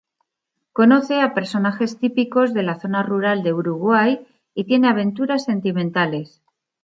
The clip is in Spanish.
Conoce a personajes típicos de la zona rural de Uruguay y tiene aventuras sentimentales.